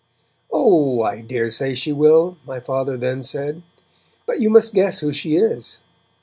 'Oh! I daresay she will,' my Father then said, 'but you must guess who she is.'